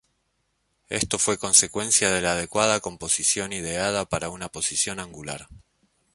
Esto fue consecuencia de la adecuada composición ideada para una posición angular.